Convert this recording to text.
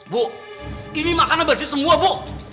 bu ini makanan bersih semua bu